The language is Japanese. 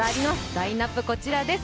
ラインナップ、こちらです。